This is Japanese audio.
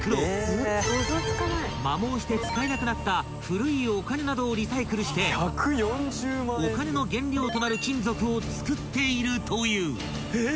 ［摩耗して使えなくなった古いお金などをリサイクルしてお金の原料となる金属をつくっているという］